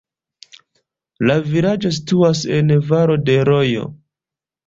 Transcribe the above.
La vilaĝo situas en valo de rojo.